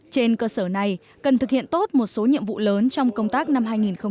trên cơ sở này cần thực hiện tốt một số nhiệm vụ lớn trong công tác năm hai nghìn hai mươi